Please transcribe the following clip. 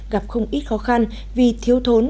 gặp không ít khó khăn vì thiếu thốn